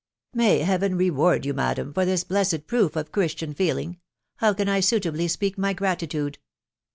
" May Heaven reward you, madam, for this blessed proof of Christian feeling !...• How can I suitably speak my gra titude?"